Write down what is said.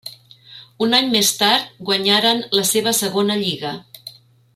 Un any més tard guanyaren la seva segona lliga.